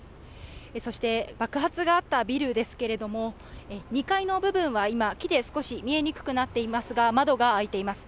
そして爆発があったビルですけど２階の部分は今、木で少し見えにくくなっていますが窓が開いています。